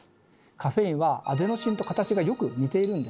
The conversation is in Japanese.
カフェインはアデノシンと形がよく似ているんですね。